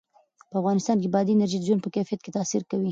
په افغانستان کې بادي انرژي د ژوند په کیفیت تاثیر کوي.